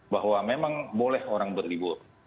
bahwa memang boleh orang berlibur